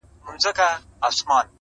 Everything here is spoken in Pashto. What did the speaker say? زه هم د بهار د مرغکیو ځالګۍ ومه-